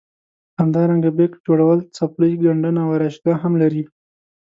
همدارنګه بیک جوړول څپلۍ ګنډنه او ارایشګاه هم لري.